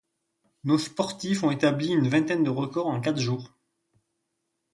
Nos sportifs ont établi une vingtaine de records en quatre jours.